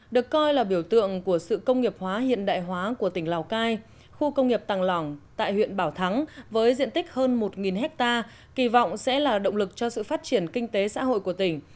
được coi là biểu tượng của sự công nghiệp hóa hiện đại hóa của tỉnh lào cai khu công nghiệp tàng lỏng tại huyện bảo thắng với diện tích hơn một hectare kỳ vọng sẽ là động lực cho sự phát triển kinh tế xã hội của tỉnh